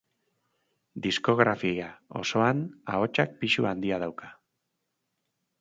Diskografia osoan ahotsak pisu handia dauka.